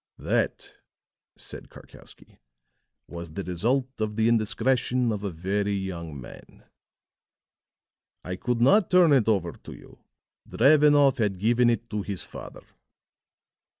"That," said Karkowsky, "was the result of the indiscretion of a very young man. I could not turn it over to you. Drevenoff had given it to his father."